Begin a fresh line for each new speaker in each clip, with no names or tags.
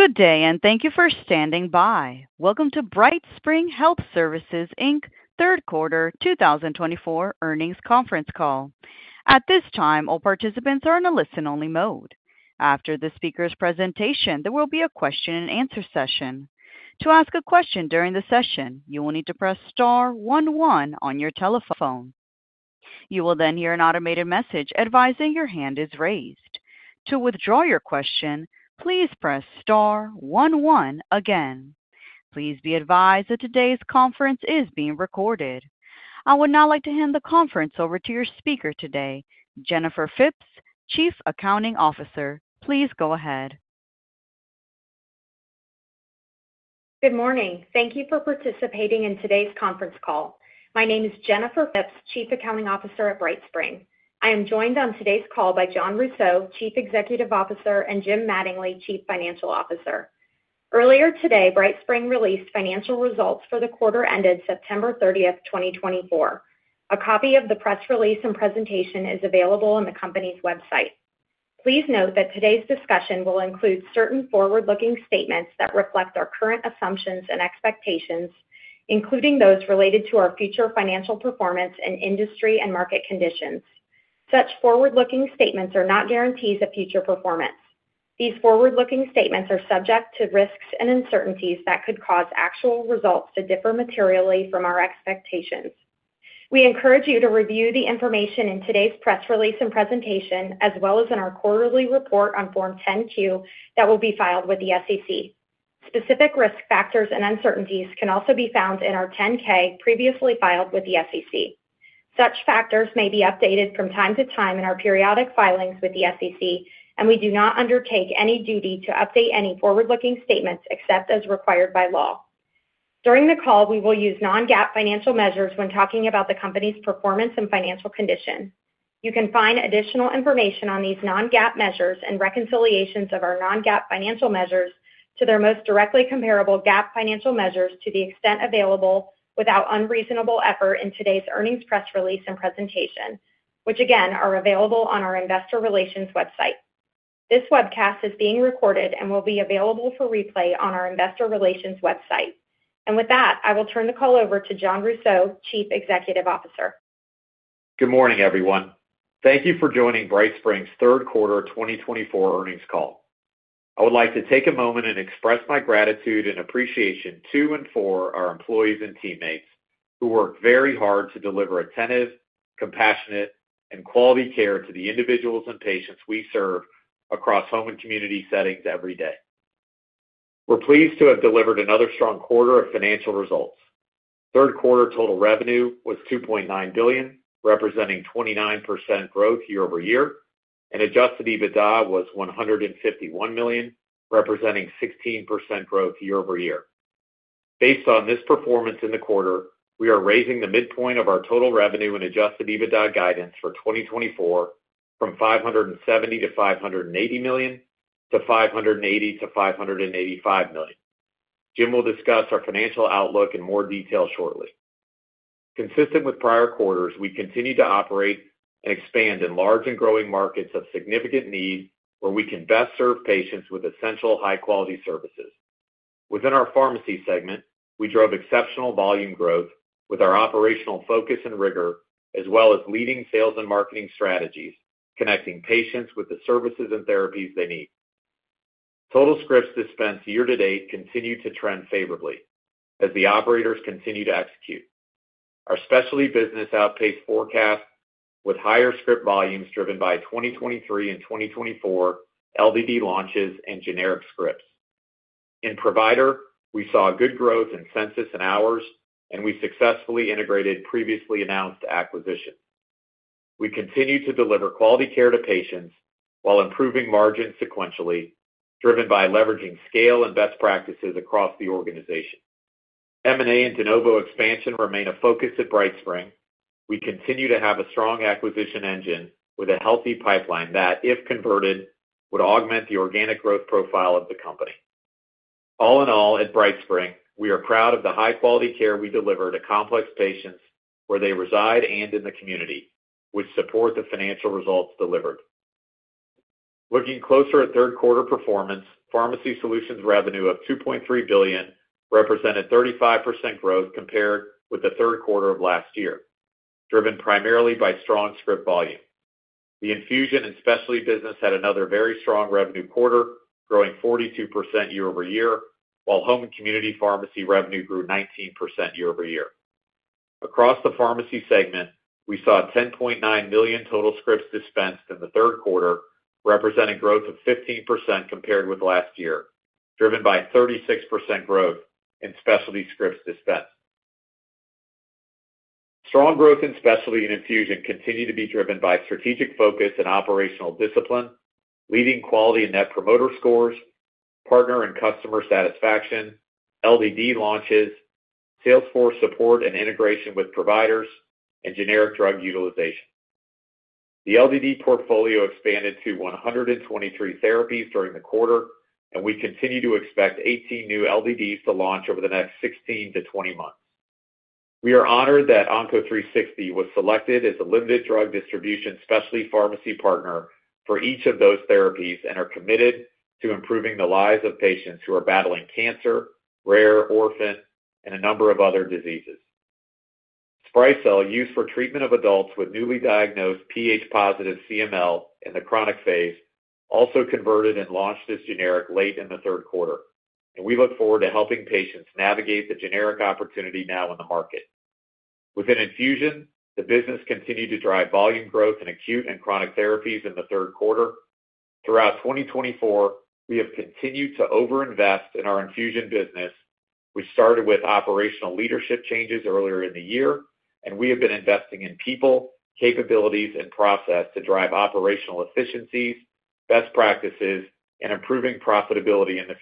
Good day, and thank you for standing by. Welcome to BrightSpring Health Services, Inc. third quarter 2024 earnings conference call. At this time, all participants are in a listen-only mode. After the speaker's presentation, there will be a question-and-answer session. To ask a question during the session, you will need to press star one one on your telephone. You will then hear an automated message advising your hand is raised. To withdraw your question, please press star one one again. Please be advised that today's conference is being recorded. I would now like to hand the conference over to your speaker today, Jennifer Phipps, Chief Accounting Officer. Please go ahead.
Good morning. Thank you for participating in today's conference call. My name is Jennifer Phipps, Chief Accounting Officer at BrightSpring. I am joined on today's call by Jon Rousseau, Chief Executive Officer, and Jim Mattingly, Chief Financial Officer. Earlier today, BrightSpring released financial results for the quarter ended September 30th, 2024. A copy of the press release and presentation is available on the company's website. Please note that today's discussion will include certain forward-looking statements that reflect our current assumptions and expectations, including those related to our future financial performance and industry and market conditions. Such forward-looking statements are not guarantees of future performance. These forward-looking statements are subject to risks and uncertainties that could cause actual results to differ materially from our expectations. We encourage you to review the information in today's press release and presentation, as well as in our quarterly report on Form 10-Q that will be filed with the SEC. Specific risk factors and uncertainties can also be found in our 10-K previously filed with the SEC. Such factors may be updated from time to time in our periodic filings with the SEC, and we do not undertake any duty to update any forward-looking statements except as required by law. During the call, we will use non-GAAP financial measures when talking about the company's performance and financial condition. You can find additional information on these non-GAAP measures and reconciliations of our non-GAAP financial measures to their most directly comparable GAAP financial measures to the extent available without unreasonable effort in today's earnings press release and presentation, which again are available on our Investor Relations website. This webcast is being recorded and will be available for replay on our Investor Relations website, and with that, I will turn the call over to Jon Rousseau, Chief Executive Officer.
Good morning, everyone. Thank you for joining BrightSpring's third quarter 2024 earnings call. I would like to take a moment and express my gratitude and appreciation to and for our employees and teammates who work very hard to deliver attentive, compassionate, and quality care to the individuals and patients we serve across home and community settings every day. We're pleased to have delivered another strong quarter of financial results. Third quarter total revenue was $2.9 billion, representing 29% growth year-over-year, and Adjusted EBITDA was $151 million, representing 16% growth year-over-year. Based on this performance in the quarter, we are raising the midpoint of our total revenue and Adjusted EBITDA guidance for 2024 from $570 million-$580 million to $580 million-$585 million. Jim will discuss our financial outlook in more detail shortly. Consistent with prior quarters, we continue to operate and expand in large and growing markets of significant need where we can best serve patients with essential high-quality services. Within our pharmacy segment, we drove exceptional volume growth with our operational focus and rigor, as well as leading sales and marketing strategies, connecting patients with the services and therapies they need. Total scripts dispensed year to date continue to trend favorably as the operators continue to execute. Our specialty business outpaced forecasts with higher script volumes driven by 2023 and 2024 LDD launches and generic scripts. In provider, we saw good growth in census and hours, and we successfully integrated previously announced acquisitions. We continue to deliver quality care to patients while improving margins sequentially, driven by leveraging scale and best practices across the organization. M&A and de novo expansion remain a focus at BrightSpring. We continue to have a strong acquisition engine with a healthy pipeline that, if converted, would augment the organic growth profile of the company. All in all, at BrightSpring, we are proud of the high-quality care we deliver to complex patients where they reside and in the community, which support the financial results delivered. Looking closer at third quarter performance, Pharmacy Solutions' revenue of $2.3 billion represented 35% growth compared with the third quarter of last year, driven primarily by strong script volume. The infusion and specialty business had another very strong revenue quarter, growing 42% year-over-year, while home and community pharmacy revenue grew 19% year-over-year. Across the pharmacy segment, we saw $10.9 million total scripts dispensed in the third quarter, representing growth of 15% compared with last year, driven by 36% growth in specialty scripts dispensed. Strong growth in specialty and infusion continued to be driven by strategic focus and operational discipline, leading quality and net promoter scores, partner and customer satisfaction, LDD launches, sales force support and integration with providers, and generic drug utilization. The LDD portfolio expanded to 123 therapies during the quarter, and we continue to expect 18 new LDDs to launch over the next 16-20 months. We are honored that Onco360 was selected as a limited drug distribution specialty pharmacy partner for each of those therapies and are committed to improving the lives of patients who are battling cancer, rare orphan, and a number of other diseases. Sprycel, used for treatment of adults with newly diagnosed Ph-positive CML in the chronic phase, also converted and launched its generic late in the third quarter, and we look forward to helping patients navigate the generic opportunity now in the market. With an infusion, the business continued to drive volume growth in acute and chronic therapies in the third quarter. Throughout 2024, we have continued to over-invest in our infusion business. We started with operational leadership changes earlier in the year, and we have been investing in people, capabilities, and process to drive operational efficiencies, best practices, and improving profitability in the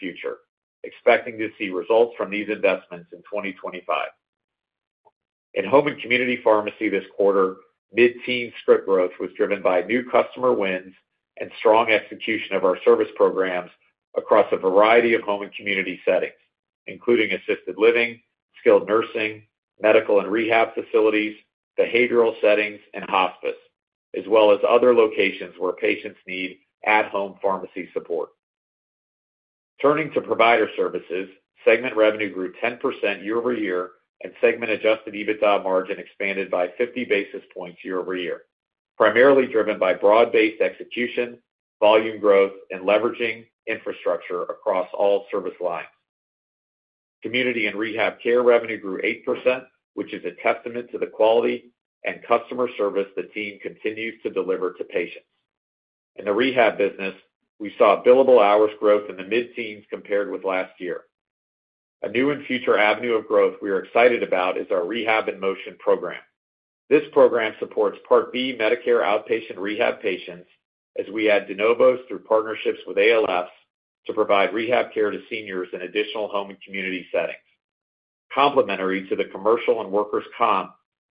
future, expecting to see results from these investments in 2025. In home and community pharmacy this quarter, net new script growth was driven by new customer wins and strong execution of our service programs across a variety of home and community settings, including assisted living, skilled nursing, medical and rehab facilities, behavioral settings, and hospice, as well as other locations where patients need at-home pharmacy support. Turning to provider services, segment revenue grew 10% year-over-year, and segment-adjusted EBITDA margin expanded by 50 basis points year-over-year, primarily driven by broad-based execution, volume growth, and leveraging infrastructure across all service lines. Community and rehab care revenue grew 8%, which is a testament to the quality and customer service the team continues to deliver to patients. In the rehab business, we saw billable hours growth in the mid-teens compared with last year. A new and future avenue of growth we are excited about is our Rehab in Motion program. This program supports Medicare Part B outpatient rehab patients as we add de novos through partnerships with ALFs to provide rehab care to seniors in additional home and community settings, complementary to the commercial and workers' comp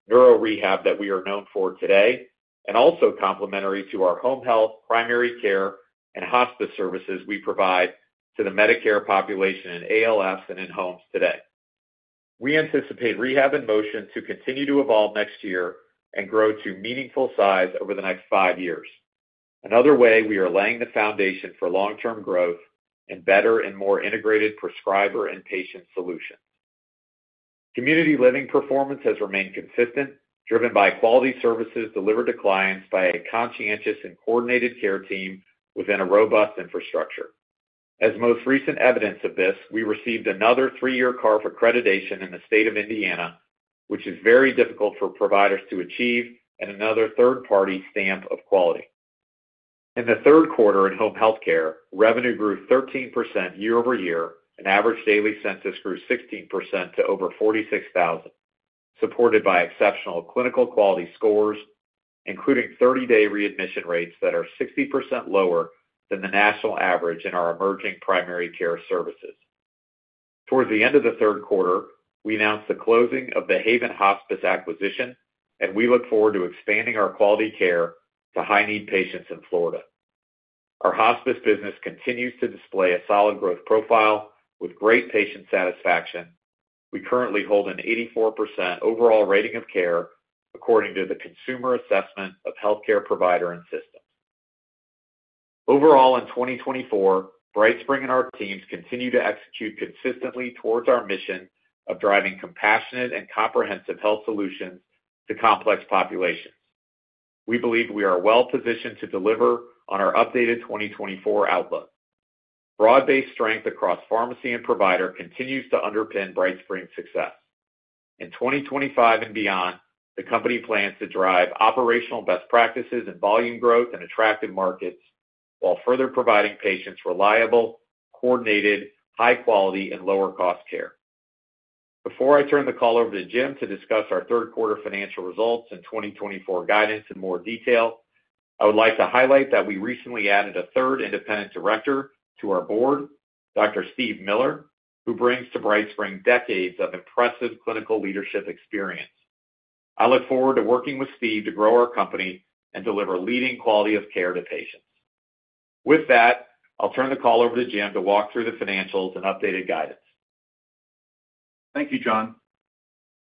neuro rehab that we are known for today, and also complementary to our home health, primary care, and hospice services we provide to the Medicare population in ALFs and in homes today. We anticipate Rehab in Motion to continue to evolve next year and grow to meaningful size over the next five years. Another way we are laying the foundation for long-term growth and better and more integrated prescriber and patient solutions. Community living performance has remained consistent, driven by quality services delivered to clients by a conscientious and coordinated care team within a robust infrastructure. As most recent evidence of this, we received another three-year CARF accreditation in the state of Indiana, which is very difficult for providers to achieve, and another third-party stamp of quality. In the third quarter in home healthcare, revenue grew 13% year-over-year, and average daily census grew 16% to over 46,000, supported by exceptional clinical quality scores, including 30-day readmission rates that are 60% lower than the national average in our emerging primary care services. Towards the end of the third quarter, we announced the closing of the Haven Hospice acquisition, and we look forward to expanding our quality care to high-need patients in Florida. Our hospice business continues to display a solid growth profile with great patient satisfaction. We currently hold an 84% overall rating of care according to the Consumer Assessment of Healthcare Providers and Systems. Overall, in 2024, BrightSpring and our teams continue to execute consistently toward our mission of driving compassionate and comprehensive health solutions to complex populations. We believe we are well-positioned to deliver on our updated 2024 outlook. Broad-based strength across pharmacy and provider continues to underpin BrightSpring's success. In 2025 and beyond, the company plans to drive operational best practices and volume growth in attractive markets while further providing patients reliable, coordinated, high-quality, and lower-cost care. Before I turn the call over to Jim to discuss our third quarter financial results and 2024 guidance in more detail, I would like to highlight that we recently added a third independent director to our board, Dr. Steve Miller, who brings to BrightSpring decades of impressive clinical leadership experience. I look forward to working with Steve to grow our company and deliver leading quality of care to patients. With that, I'll turn the call over to Jim to walk through the financials and updated guidance.
Thank you, Jon.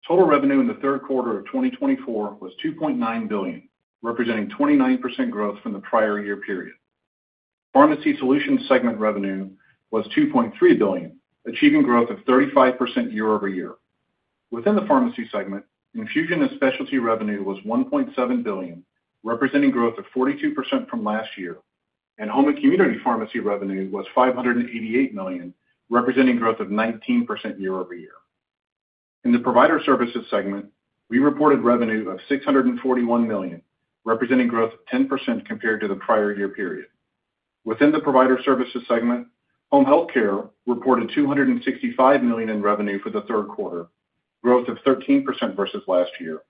Total revenue in the third quarter of 2024 was $2.9 billion, representing 29% growth from the prior year period. Pharmacy solution segment revenue was $2.3 billion, achieving growth of 35% year-over-year. Within the pharmacy segment, infusion and specialty revenue was $1.7 billion, representing growth of 42% from last year, and home and community pharmacy revenue was $588 million, representing growth of 19% year-over-year. In the provider services segment, we reported revenue of $641 million, representing growth of 10% compared to the prior year period. Within the provider services segment, home healthcare reported $265 million in revenue for the third quarter, growth of 13% versus last year,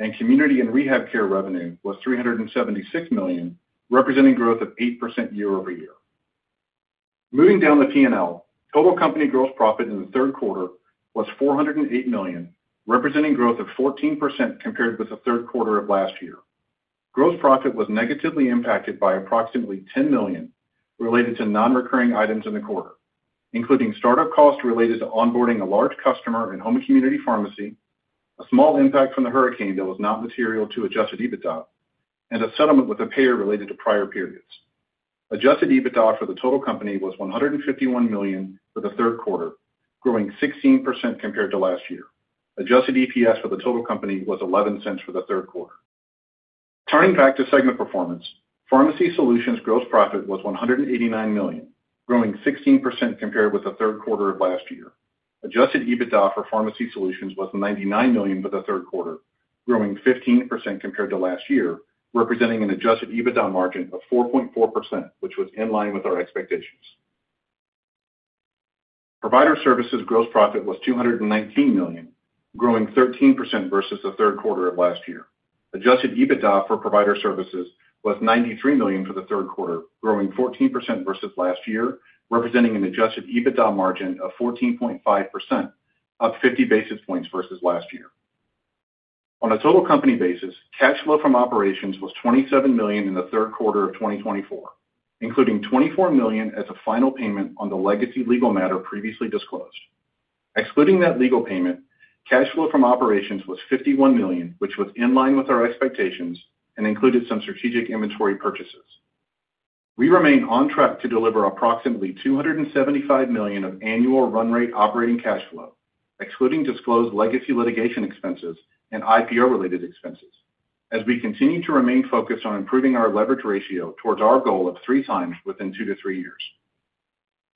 and community and rehab care revenue was $376 million, representing growth of 8% year-over-year. Moving down the P&L, total company gross profit in the third quarter was $408 million, representing growth of 14% compared with the third quarter of last year. Gross profit was negatively impacted by approximately $10 million related to non-recurring items in the quarter, including startup costs related to onboarding a large customer in home and community pharmacy, a small impact from the hurricane that was not material to Adjusted EBITDA, and a settlement with a payer related to prior periods. Adjusted EBITDA for the total company was $151 million for the third quarter, growing 16% compared to last year. Adjusted EPS for the total company was $0.11 for the third quarter. Turning back to segment performance, pharmacy solutions gross profit was $189 million, growing 16% compared with the third quarter of last year. Adjusted EBITDA for pharmacy solutions was $99 million for the third quarter, growing 15% compared to last year, representing an adjusted EBITDA margin of 4.4%, which was in line with our expectations. Provider services gross profit was $219 million, growing 13% versus the third quarter of last year. Adjusted EBITDA for provider services was $93 million for the third quarter, growing 14% versus last year, representing an adjusted EBITDA margin of 14.5%, up 50 basis points versus last year. On a total company basis, cash flow from operations was $27 million in the third quarter of 2024, including $24 million as a final payment on the legacy legal matter previously disclosed. Excluding that legal payment, cash flow from operations was $51 million, which was in line with our expectations and included some strategic inventory purchases. We remain on track to deliver approximately $275 million of annual run rate operating cash flow, excluding disclosed legacy litigation expenses and IPO-related expenses, as we continue to remain focused on improving our leverage ratio towards our goal of 3x within two to three years.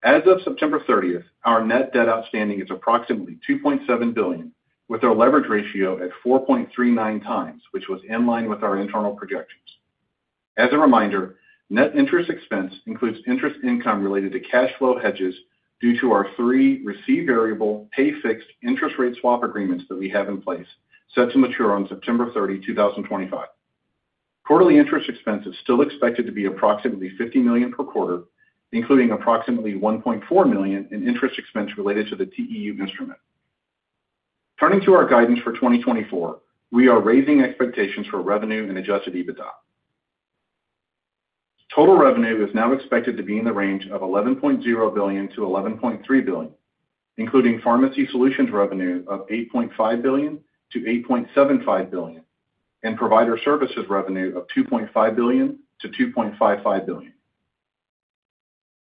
As of September 30th, our net debt outstanding is approximately $2.7 billion, with our leverage ratio at 4.39 times, which was in line with our internal projections. As a reminder, net interest expense includes interest income related to cash flow hedges due to our three receive variable pay-fixed interest rate swap agreements that we have in place set to mature on September 30, 2025. Quarterly interest expense is still expected to be approximately $50 million per quarter, including approximately $1.4 million in interest expense related to the TEU instrument. Turning to our guidance for 2024, we are raising expectations for revenue and Adjusted EBITDA. Total revenue is now expected to be in the range of $11.0 billion-$11.3 billion, including pharmacy solutions revenue of $8.5 billion-$8.75 billion, and provider services revenue of $2.5 billion-$2.55 billion.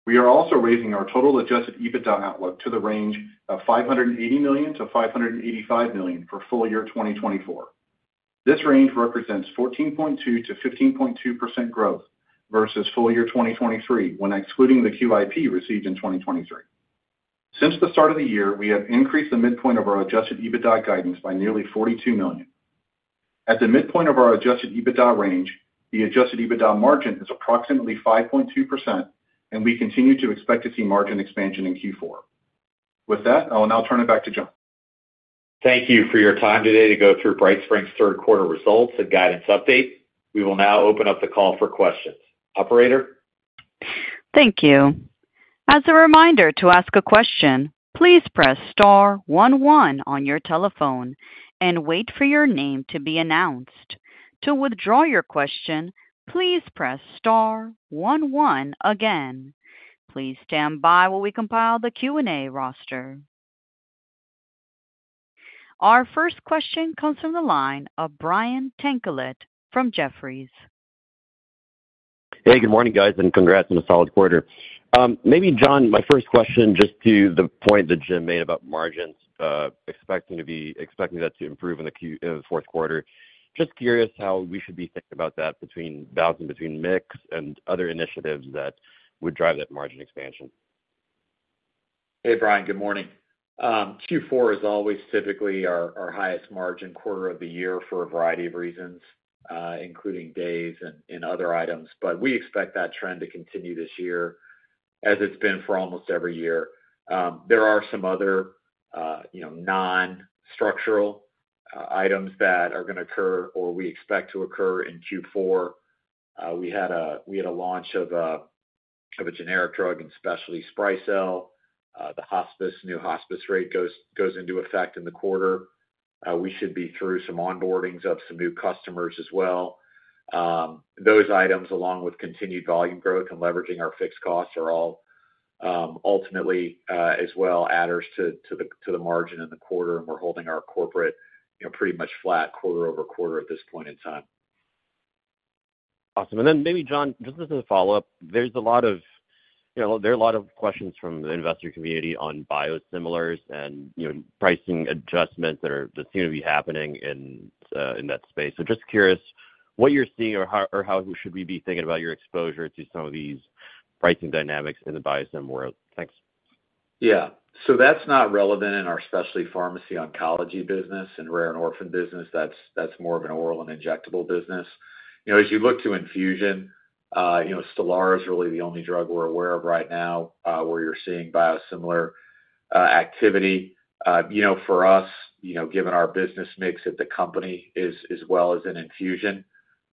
We are also raising our total Adjusted EBITDA outlook to the range of $580 million-$585 million for full year 2024. This range represents 14.2%-15.2% growth versus full year 2023 when excluding the QIP received in 2023. Since the start of the year, we have increased the midpoint of our Adjusted EBITDA guidance by nearly $42 million. At the midpoint of our Adjusted EBITDA range, the Adjusted EBITDA margin is approximately 5.2%, and we continue to expect to see margin expansion in Q4. With that, I'll now turn it back to Jon.
Thank you for your time today to go through BrightSpring's third quarter results and guidance update. We will now open up the call for questions. Operator?
Thank you. As a reminder to ask a question, please press star one one on your telephone and wait for your name to be announced. To withdraw your question, please press star one one again. Please stand by while we compile the Q&A roster. Our first question comes from the line of Brian Tanquilut from Jefferies.
Hey, good morning, guys, and congrats on a solid quarter. Maybe, Jon, my first question just to the point that Jim made about margins, expecting that to improve in the fourth quarter. Just curious how we should be thinking about that balancing between mix and other initiatives that would drive that margin expansion.
Hey, Brian, good morning. Q4 is always typically our highest margin quarter of the year for a variety of reasons, including days and other items, but we expect that trend to continue this year as it's been for almost every year. There are some other non-structural items that are going to occur or we expect to occur in Q4. We had a launch of a generic drug and specialty Sprycel. The new hospice rate goes into effect in the quarter. We should be through some onboardings of some new customers as well. Those items, along with continued volume growth and leveraging our fixed costs, are all ultimately as well adders to the margin in the quarter, and we're holding our corporate pretty much flat quarter-over-quarter at this point in time.
Awesome. And then, maybe, Jon, just as a follow-up, there are a lot of questions from the investor community on biosimilars and pricing adjustments that seem to be happening in that space. So, just curious what you're seeing or how should we be thinking about your exposure to some of these pricing dynamics in the biosim world. Thanks.
Yeah, so that's not relevant in our specialty pharmacy oncology business and rare and orphan business. That's more of an oral and injectable business. As you look to infusion, Stelara is really the only drug we're aware of right now where you're seeing biosimilar activity. For us, given our business mix at the company as well as in infusion,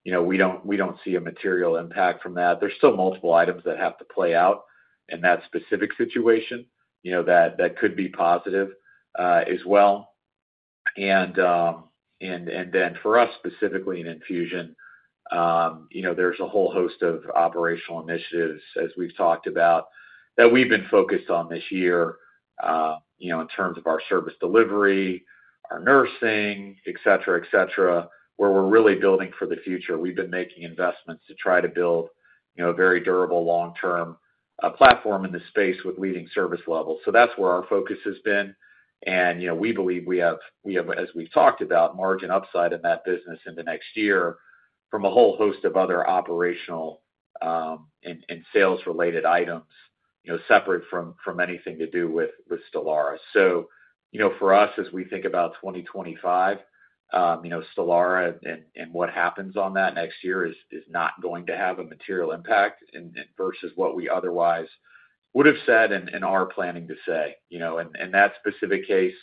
we don't see a material impact from that. There's still multiple items that have to play out in that specific situation that could be positive as well, and then for us specifically in infusion, there's a whole host of operational initiatives, as we've talked about, that we've been focused on this year in terms of our service delivery, our nursing, etc., where we're really building for the future. We've been making investments to try to build a very durable long-term platform in the space with leading service levels. So that's where our focus has been. And we believe we have, as we've talked about, margin upside in that business in the next year from a whole host of other operational and sales-related items separate from anything to do with Stelara. So for us, as we think about 2025, Stelara and what happens on that next year is not going to have a material impact versus what we otherwise would have said and are planning to say. In that specific case,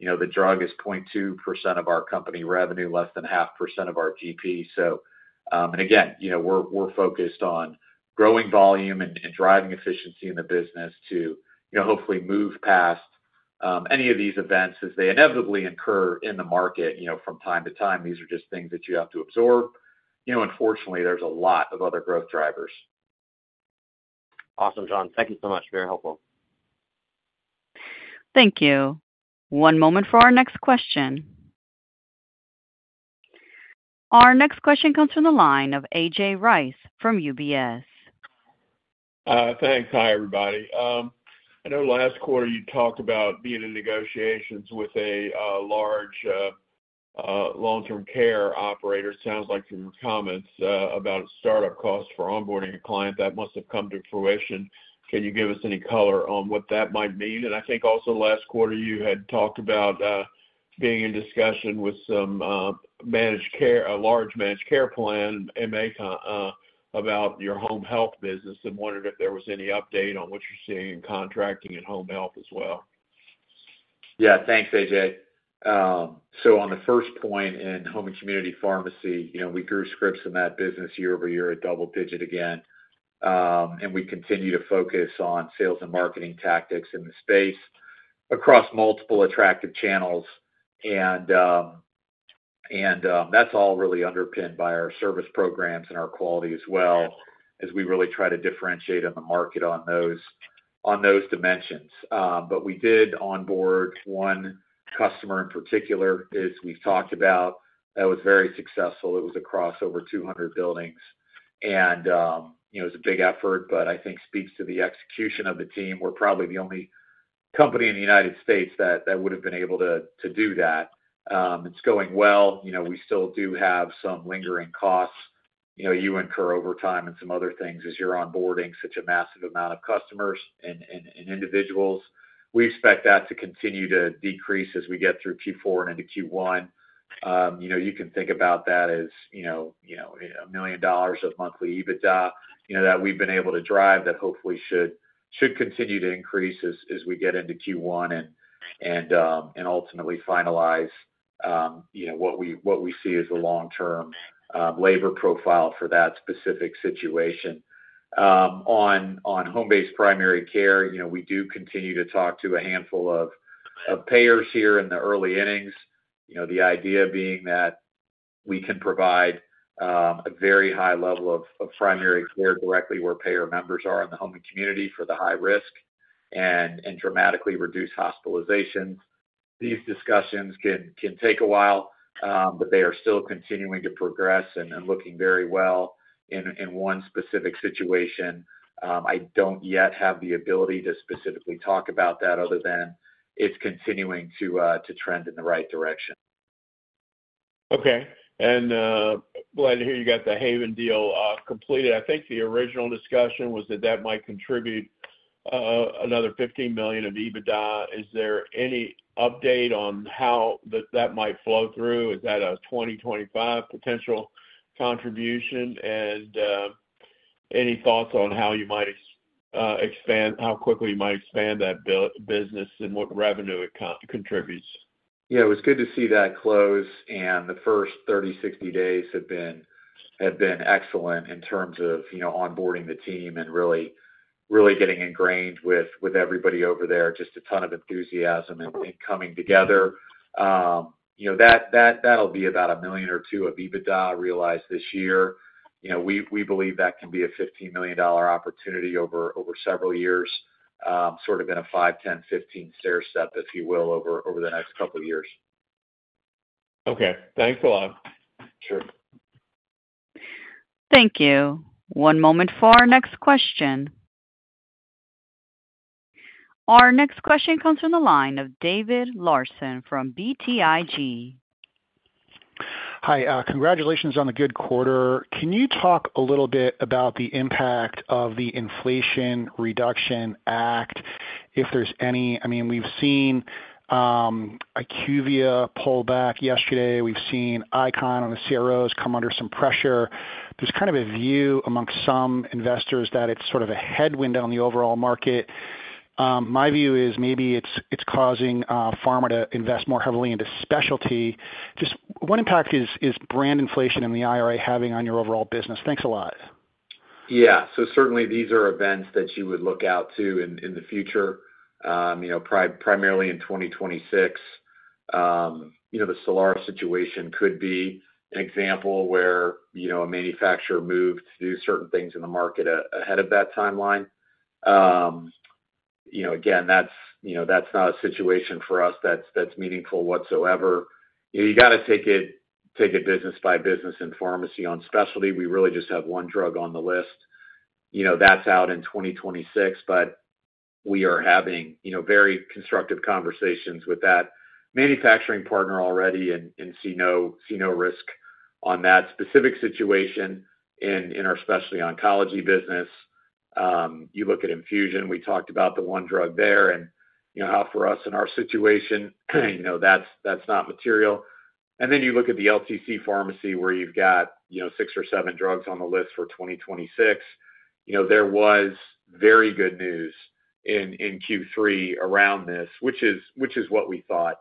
the drug is 0.2% of our company revenue, less than 0.5% of our GP. And again, we're focused on growing volume and driving efficiency in the business to hopefully move past any of these events as they inevitably incur in the market from time to time. These are just things that you have to absorb. Unfortunately, there's a lot of other growth drivers.
Awesome, Jon. Thank you so much. Very helpful.
Thank you. One moment for our next question. Our next question comes from the line of A.J. Rice from UBS.
Thanks. Hi, everybody. I know last quarter you talked about being in negotiations with a large long-term care operator. It sounds like from your comments about start-up costs for onboarding a client that must have come to fruition. Can you give us any color on what that might mean? And I think also last quarter you had talked about being in discussion with some large managed care plan, MA, about your home health business and wondered if there was any update on what you're seeing in contracting and home health as well.
Yeah. Thanks, AJ. So on the first point in home and community pharmacy, we grew scripts in that business year-over-year at double-digit again, and we continue to focus on sales and marketing tactics in the space across multiple attractive channels, and that's all really underpinned by our service programs and our quality as well as we really try to differentiate on the market on those dimensions, but we did onboard one customer in particular as we've talked about that was very successful. It was across over 200 buildings, and it was a big effort, but I think speaks to the execution of the team. We're probably the only company in the United States that would have been able to do that. It's going well. We still do have some lingering costs. You incur overtime and some other things as you're onboarding such a massive amount of customers and individuals. We expect that to continue to decrease as we get through Q4 and into Q1. You can think about that as $1 million of monthly EBITDA that we've been able to drive that hopefully should continue to increase as we get into Q1 and ultimately finalize what we see as the long-term labor profile for that specific situation. On home-based primary care, we do continue to talk to a handful of payers here in the early innings, the idea being that we can provide a very high level of primary care directly where payer members are in the home and community for the high risk and dramatically reduce hospitalizations. These discussions can take a while, but they are still continuing to progress and looking very well in one specific situation. I don't yet have the ability to specifically talk about that other than it's continuing to trend in the right direction.
Okay, and glad to hear you got the Haven deal completed. I think the original discussion was that that might contribute another 15 million of EBITDA. Is there any update on how that might flow through? Is that a 2025 potential contribution, and any thoughts on how you might expand, how quickly you might expand that business and what revenue it contributes?
Yeah. It was good to see that close, and the first 30, 60 days have been excellent in terms of onboarding the team and really getting ingrained with everybody over there, just a ton of enthusiasm and coming together. That'll be about $1 million or $2 million of EBITDA realized this year. We believe that can be a $15 million opportunity over several years, sort of in a five, 10, 15 stair step, if you will, over the next couple of years.
Okay. Thanks a lot.
Sure.
Thank you. One moment for our next question. Our next question comes from the line of David Larsen from BTIG.
Hi. Congratulations on the good quarter. Can you talk a little bit about the impact of the Inflation Reduction Act, if there's any? I mean, we've seen IQVIA pull back yesterday. We've seen ICON on the CROs come under some pressure. There's kind of a view amongst some investors that it's sort of a headwind on the overall market. My view is maybe it's causing pharma to invest more heavily into specialty. Just what impact is brand inflation and the IRA having on your overall business? Thanks a lot.
Yeah. So certainly, these are events that you would look out to in the future. Primarily in 2026, the Stelara situation could be an example where a manufacturer moved to do certain things in the market ahead of that timeline. Again, that's not a situation for us that's meaningful whatsoever. You got to take it business by business in pharmacy on specialty. We really just have one drug on the list. That's out in 2026, but we are having very constructive conversations with that manufacturing partner already and see no risk on that specific situation in our specialty oncology business. You look at infusion, we talked about the one drug there and how for us in our situation, that's not material. And then you look at the LTC pharmacy where you've got six or seven drugs on the list for 2026. There was very good news in Q3 around this, which is what we thought,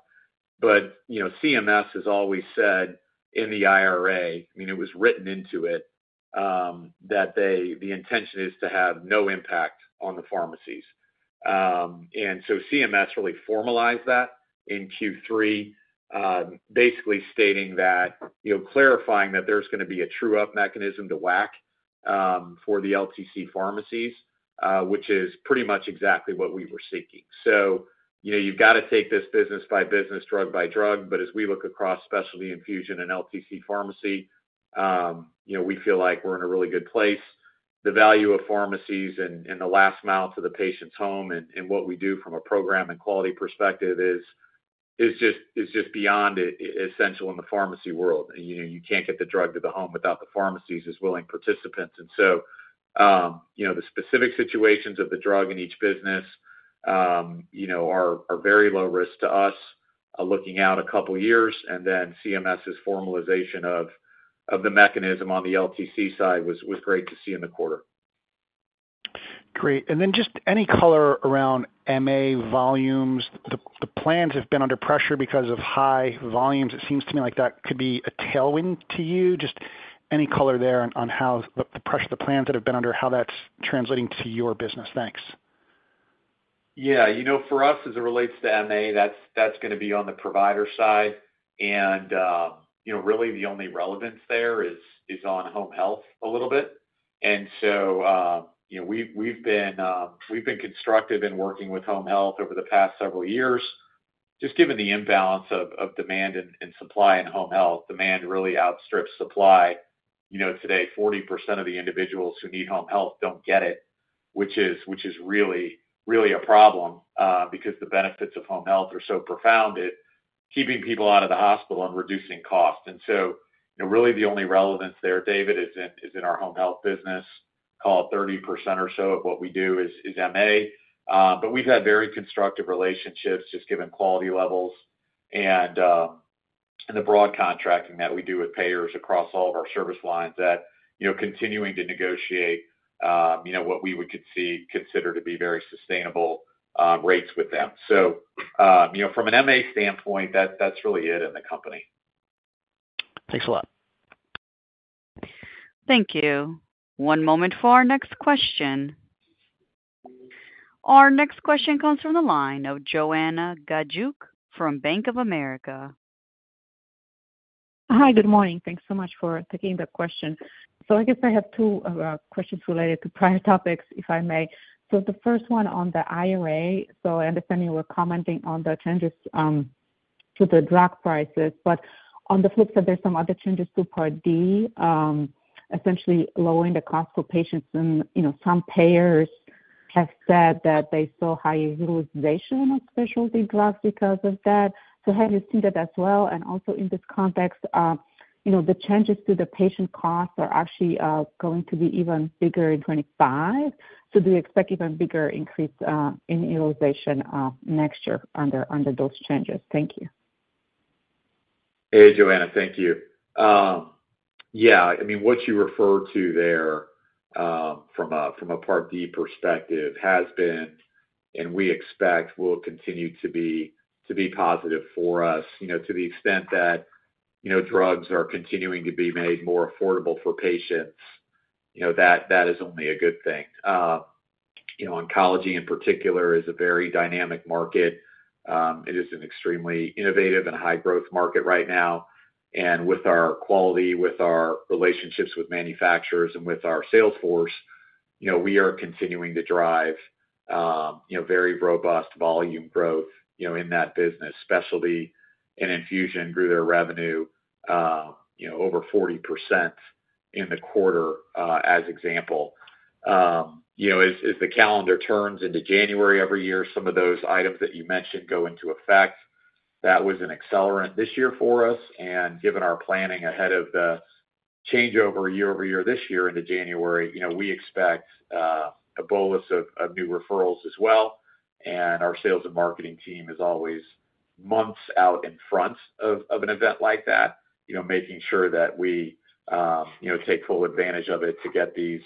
but CMS has always said in the IRA, I mean, it was written into it that the intention is to have no impact on the pharmacies, and so CMS really formalized that in Q3, basically stating that clarifying that there's going to be a true-up mechanism to WAC for the LTC pharmacies, which is pretty much exactly what we were seeking, so you've got to take this business by business, drug by drug, but as we look across specialty infusion and LTC pharmacy, we feel like we're in a really good place. The value of pharmacies and the last mile to the patient's home and what we do from a program and quality perspective is just beyond essential in the pharmacy world. You can't get the drug to the home without the pharmacies as willing participants. And so the specific situations of the drug in each business are very low risk to us looking out a couple of years. And then CMS's formalization of the mechanism on the LTC side was great to see in the quarter.
Great. And then just any color around MA volumes? The plans have been under pressure because of high volumes. It seems to me like that could be a tailwind to you. Just any color there on how the plans that have been under, how that's translating to your business? Thanks.
Yeah. For us, as it relates to MA, that's going to be on the provider side. And really, the only relevance there is on home health a little bit. And so we've been constructive in working with home health over the past several years. Just given the imbalance of demand and supply in home health, demand really outstrips supply. Today, 40% of the individuals who need home health don't get it, which is really a problem because the benefits of home health are so profound, keeping people out of the hospital and reducing costs. And so really, the only relevance there, David, is in our home health business. Call it 30% or so of what we do is MA.But we've had very constructive relationships, just given quality levels and the broad contracting that we do with payers across all of our service lines that continuing to negotiate what we would consider to be very sustainable rates with them. So from an MA standpoint, that's really it in the company.
Thanks a lot.
Thank you. One moment for our next question. Our next question comes from the line of Joanna Gajuk from Bank of America.
Hi, good morning. Thanks so much for taking the question. So I guess I have two questions related to prior topics, if I may. So the first one on the IRA. So I understand you were commenting on the changes to the drug prices. But on the flip side, there's some other changes to Part D, essentially lowering the cost for patients. And some payers have said that they saw high utilization of specialty drugs because of that. So have you seen that as well? And also in this context, the changes to the patient costs are actually going to be even bigger in 2025. So do you expect even bigger increase in utilization next year under those changes? Thank you.
Hey, Joanna. Thank you. Yeah. I mean, what you refer to there from a Part D perspective has been, and we expect will continue to be positive for us to the extent that drugs are continuing to be made more affordable for patients. That is only a good thing. Oncology, in particular, is a very dynamic market. It is an extremely innovative and high-growth market right now. And with our quality, with our relationships with manufacturers, and with our sales force, we are continuing to drive very robust volume growth in that business. Specialty and infusion grew their revenue over 40% in the quarter, as example. As the calendar turns into January every year, some of those items that you mentioned go into effect. That was an accelerant this year for us. And given our planning ahead of the changeover year-over-year this year into January, we expect a bolus of new referrals as well. And our sales and marketing team is always months out in front of an event like that, making sure that we take full advantage of it to get these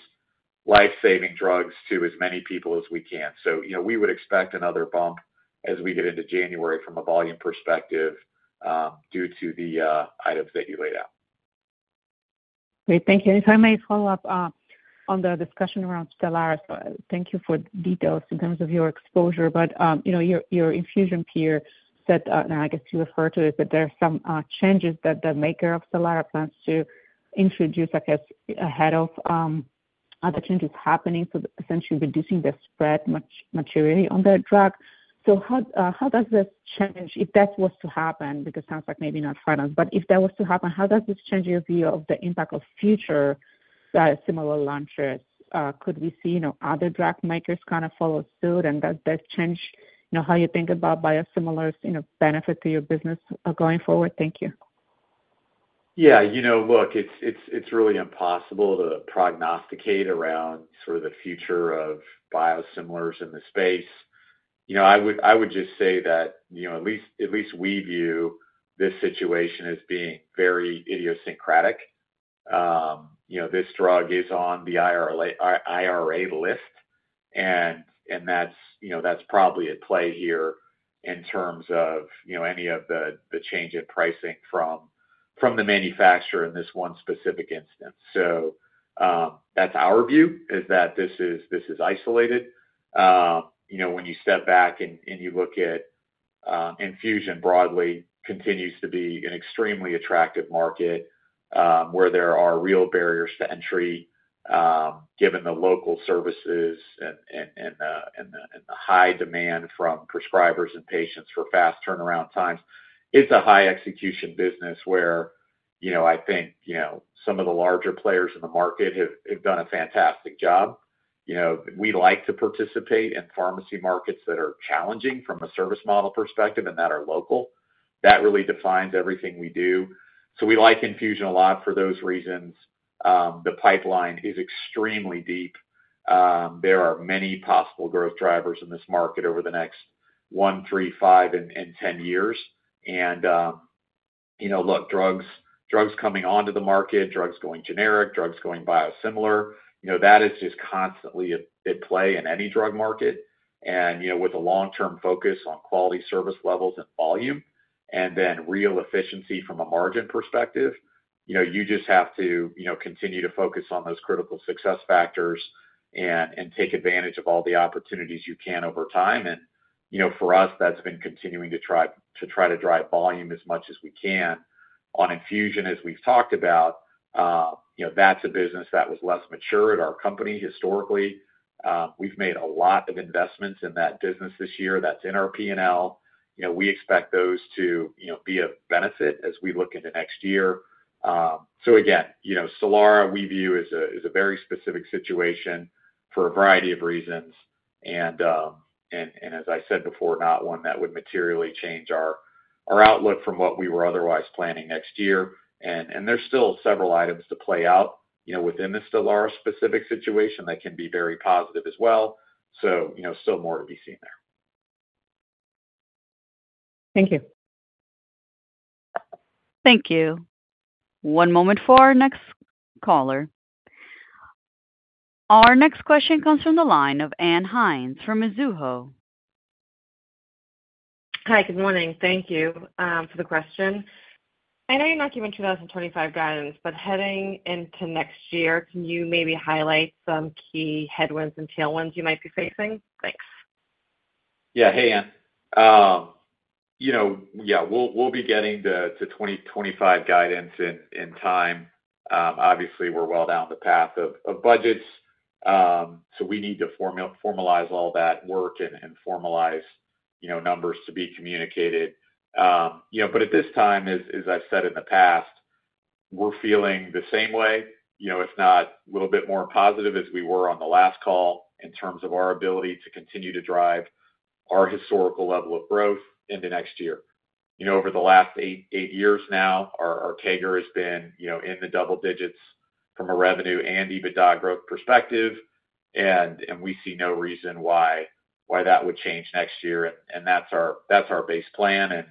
life-saving drugs to as many people as we can. So we would expect another bump as we get into January from a volume perspective due to the items that you laid out.
Great. Thank you. And if I may follow up on the discussion around Stelara. So thank you for details in terms of your exposure. But your infusion peer said, and I guess you refer to it, that there are some changes that the maker of Stelara plans to introduce, I guess, ahead of other changes happening. So essentially reducing the spread much earlier on that drug. So how does this change, if that was to happen? Because it sounds like maybe not finance. But if that was to happen, how does this change your view of the impact of future biosimilar launches? Could we see other drug makers kind of follow suit? And does that change how you think about biosimilars' benefit to your business going forward? Thank you.
Yeah. Look, it's really impossible to prognosticate around sort of the future of biosimilars in the space. I would just say that at least we view this situation as being very idiosyncratic. This drug is on the IRA list, and that's probably at play here in terms of any of the change in pricing from the manufacturer in this one specific instance. So that's our view, is that this is isolated. When you step back and you look at infusion broadly, it continues to be an extremely attractive market where there are real barriers to entry given the local services and the high demand from prescribers and patients for fast turnaround times. It's a high-execution business where I think some of the larger players in the market have done a fantastic job. We like to participate in pharmacy markets that are challenging from a service model perspective and that are local. That really defines everything we do, so we like infusion a lot for those reasons. The pipeline is extremely deep. There are many possible growth drivers in this market over the next one, three, five, and 10 years, and look, drugs coming onto the market, drugs going generic, drugs going biosimilar, that is just constantly at play in any drug market, and with a long-term focus on quality service levels and volume and then real efficiency from a margin perspective, you just have to continue to focus on those critical success factors and take advantage of all the opportunities you can over time, and for us, that's been continuing to try to drive volume as much as we can. On infusion, as we've talked about, that's a business that was less mature at our company historically. We've made a lot of investments in that business this year. That's in our P&L. We expect those to be of benefit as we look into next year. So again, Stelara, we view as a very specific situation for a variety of reasons. And as I said before, not one that would materially change our outlook from what we were otherwise planning next year. And there's still several items to play out within the Stelara-specific situation that can be very positive as well. So still more to be seen there.
Thank you.
Thank you. One moment for our next caller. Our next question comes from the line of Ann Hynes from Mizuho.
Hi, good morning. Thank you for the question. I know you're not giving 2025 guidance, but heading into next year, can you maybe highlight some key headwinds and tailwinds you might be facing? Thanks.
Yeah. Hey, Ann. Yeah. We'll be getting to 2025 guidance in time. Obviously, we're well down the path of budgets. So we need to formalize all that work and formalize numbers to be communicated. But at this time, as I've said in the past, we're feeling the same way, if not a little bit more positive as we were on the last call in terms of our ability to continue to drive our historical level of growth into next year. Over the last eight years now, our CAGR has been in the double digits from a revenue and EBITDA growth perspective. We see no reason why that would change next year. That's our base plan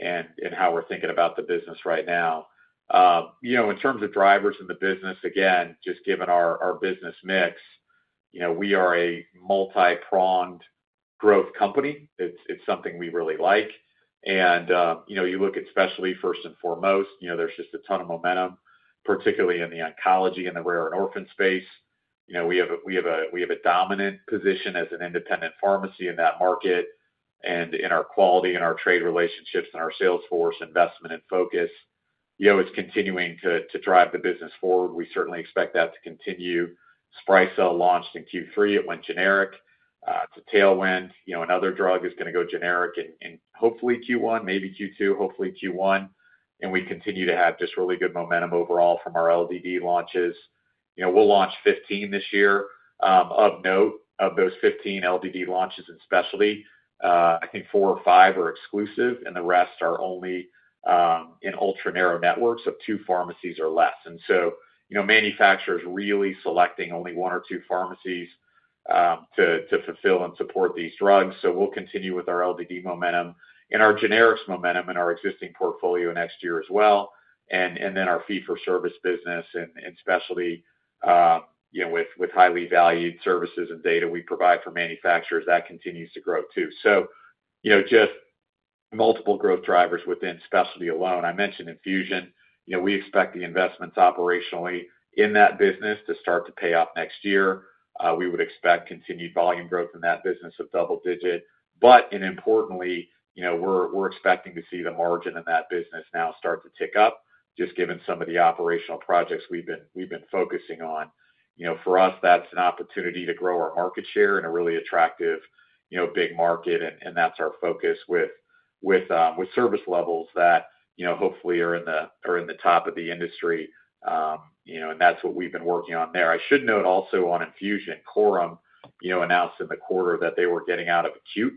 and how we're thinking about the business right now. In terms of drivers in the business, again, just given our business mix, we are a multi-pronged growth company. It's something we really like. And you look at specialty first and foremost, there's just a ton of momentum, particularly in the oncology and the rare and orphan space. We have a dominant position as an independent pharmacy in that market. And in our quality, in our trade relationships, and our sales force investment and focus, it's continuing to drive the business forward. We certainly expect that to continue. Sprycel launched in Q3. It went generic. It's a tailwind. Another drug is going to go generic in hopefully Q1, maybe Q2, hopefully Q1. And we continue to have just really good momentum overall from our LDD launches. We'll launch 15 this year. Of note, of those 15 LDD launches in specialty, I think four or five are exclusive, and the rest are only in ultra-narrow networks of two pharmacies or less. Manufacturers are really selecting only one or two pharmacies to fulfill and support these drugs, so we'll continue with our LDD momentum and our generics momentum in our existing portfolio next year as well. Then our fee-for-service business in specialty with highly valued services and data we provide for manufacturers continues to grow too, so just multiple growth drivers within specialty alone. I mentioned infusion. We expect the investments operationally in that business to start to pay off next year. We would expect continued volume growth in that business of double digits, but importantly, we're expecting to see the margin in that business now start to tick up, just given some of the operational projects we've been focusing on. For us, that's an opportunity to grow our market share in a really attractive big market. That's our focus with service levels that hopefully are in the top of the industry. That's what we've been working on there. I should note also on infusion, Coram announced in the quarter that they were getting out of acute.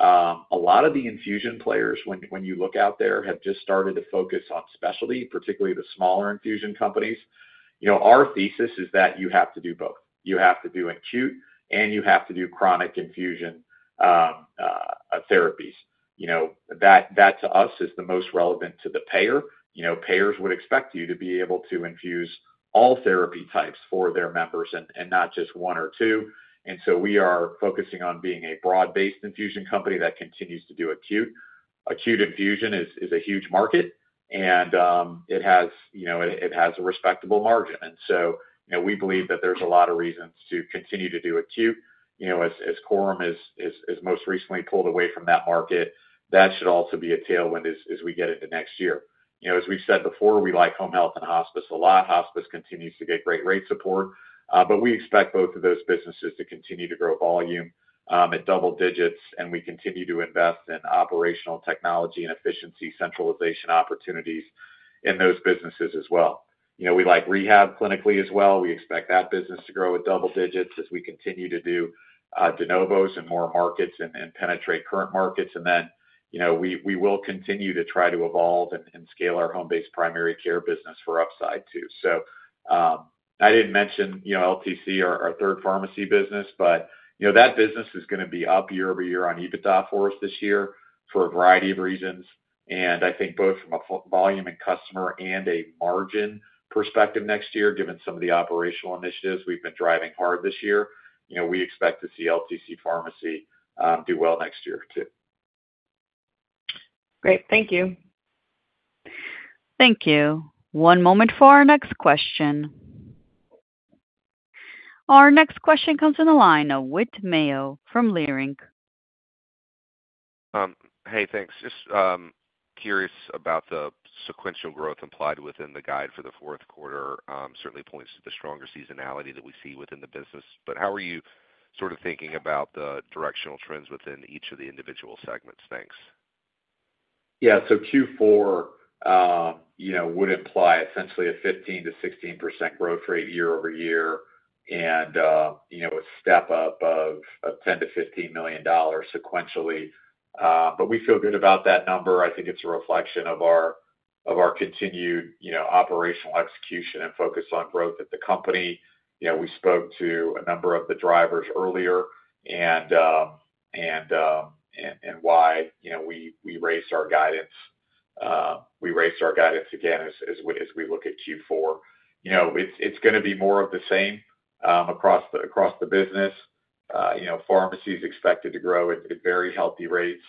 A lot of the infusion players, when you look out there, have just started to focus on specialty, particularly the smaller infusion companies. Our thesis is that you have to do both. You have to do acute, and you have to do chronic infusion therapies. That, to us, is the most relevant to the payer. Payers would expect you to be able to infuse all therapy types for their members and not just one or two. We are focusing on being a broad-based infusion company that continues to do acute. Acute infusion is a huge market, and it has a respectable margin. And so we believe that there's a lot of reasons to continue to do acute. As Coram is most recently pulled away from that market, that should also be a tailwind as we get into next year. As we've said before, we like home health and hospice a lot. Hospice continues to get great rate support. But we expect both of those businesses to continue to grow volume at double digits. And we continue to invest in operational technology and efficiency centralization opportunities in those businesses as well. We like rehab clinically as well. We expect that business to grow at double digits as we continue to do de novos in more markets and penetrate current markets. And then we will continue to try to evolve and scale our home-based primary care business for upside too. So I didn't mention LTC, our third pharmacy business, but that business is going to be up year-over-year on EBITDA for us this year for a variety of reasons. And I think both from a volume and customer and a margin perspective next year, given some of the operational initiatives we've been driving hard this year, we expect to see LTC Pharmacy do well next year too.
Great. Thank you.
Thank you. One moment for our next question. Our next question comes in the line of Whit Mayo from Leerink.
Hey, thanks. Just curious about the sequential growth implied within the guide for the fourth quarter. Certainly points to the stronger seasonality that we see within the business. But how are you sort of thinking about the directional trends within each of the individual segments? Thanks.
Yeah. So Q4 would imply essentially a 15%-16% growth rate year-over-year and a step up of $10 million-$15 million sequentially. But we feel good about that number. I think it's a reflection of our continued operational execution and focus on growth at the company. We spoke to a number of the drivers earlier and why we raised our guidance. We raised our guidance again as we look at Q4. It's going to be more of the same across the business. Pharmacy is expected to grow at very healthy rates.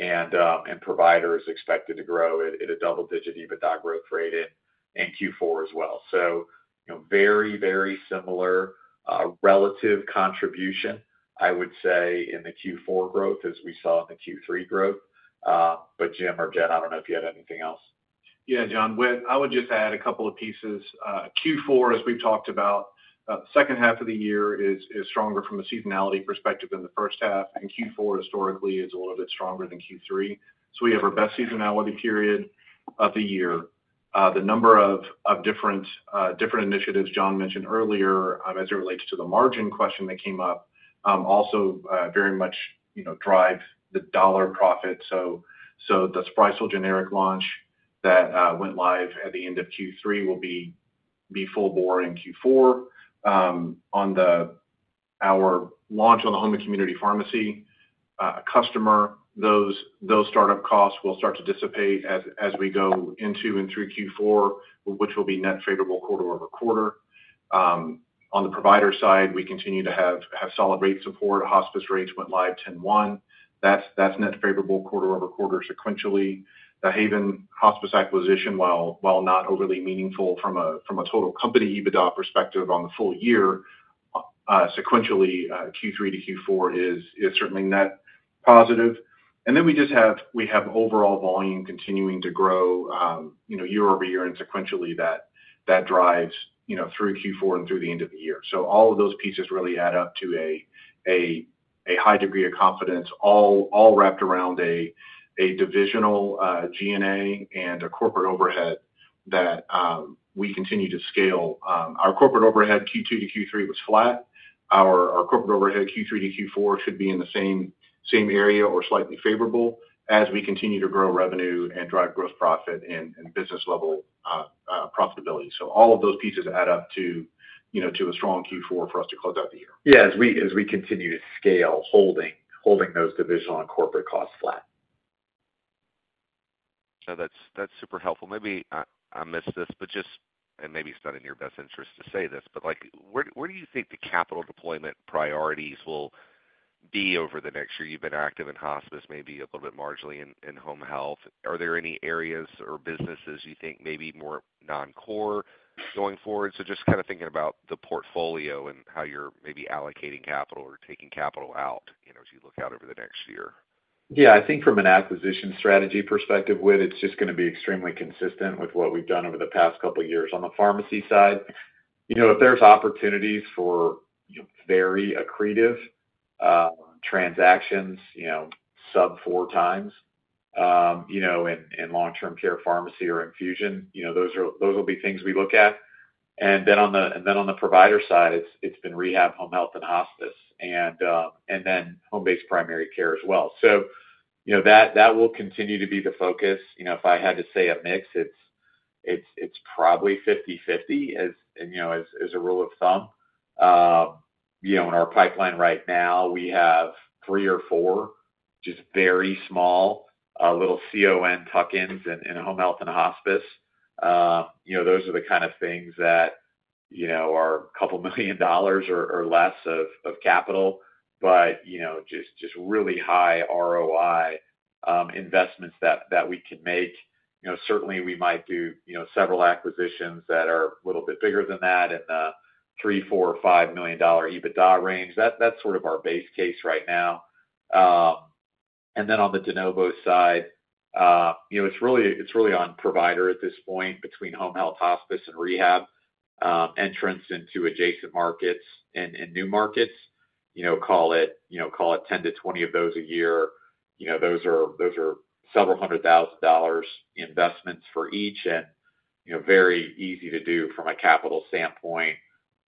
And providers are expected to grow at a double-digit EBITDA growth rate in Q4 as well. So very, very similar relative contribution, I would say, in the Q4 growth as we saw in the Q3 growth. But Jim or Jen, I don't know if you had anything else.
Yeah, Jon, I would just add a couple of pieces. Q4, as we've talked about, the second half of the year is stronger from a seasonality perspective than the first half, and Q4 historically is a little bit stronger than Q3. So we have our best seasonality period of the year. The number of different initiatives Jon mentioned earlier as it relates to the margin question that came up also very much drive the dollar profit. So the Sprycel generic launch that went live at the end of Q3 will be full bore in Q4. On our launch on the home and community pharmacy, customer, those start-up costs will start to dissipate as we go into and through Q4, which will be net favorable quarter-over-quarter. On the provider side, we continue to have solid rate support. Hospice rates went live 10/1. That's net favorable quarter-over-quarter sequentially. The Haven Hospice acquisition, while not overly meaningful from a total company EBITDA perspective on the full year, sequentially Q3 to Q4 is certainly net positive, and then we just have overall volume continuing to grow year-over-year and sequentially that drives through Q4 and through the end of the year, so all of those pieces really add up to a high degree of confidence all wrapped around a divisional G&A and a corporate overhead that we continue to scale. Our corporate overhead Q2 to Q3 was flat. Our corporate overhead Q3 to Q4 should be in the same area or slightly favorable as we continue to grow revenue and drive growth profit and business-level profitability, so all of those pieces add up to a strong Q4 for us to close out the year.
Yeah. As we continue to scale, holding those divisional and corporate costs flat.
So that's super helpful. Maybe I missed this, but just, and maybe it's not in your best interest to say this, but where do you think the capital deployment priorities will be over the next year? You've been active in hospice, maybe a little bit marginally in home health. Are there any areas or businesses you think may be more non-core going forward? So just kind of thinking about the portfolio and how you're maybe allocating capital or taking capital out as you look out over the next year.
Yeah. I think from an acquisition strategy perspective, Whit, it's just going to be extremely consistent with what we've done over the past couple of years. On the pharmacy side, if there's opportunities for very accretive transactions sub-4x in long-term care pharmacy or infusion, those will be things we look at. And then on the provider side, it's been rehab, home health, and hospice. And then home-based primary care as well. So that will continue to be the focus. If I had to say a mix, it's probably 50/50 as a rule of thumb. In our pipeline right now, we have three or four, just very small little CON tuck-ins in home health and hospice. Those are the kind of things that are a couple million dollars or less of capital, but just really high ROI investments that we can make. Certainly, we might do several acquisitions that are a little bit bigger than that in the $3 million, $4 million, $5 million EBITDA range. That's sort of our base case right now. And then on the de novo side, it's really on provider at this point between home health, hospice, and rehab, entrance into adjacent markets and new markets. Call it 10-20 of those a year. Those are several hundred thousand dollars investments for each and very easy to do from a capital standpoint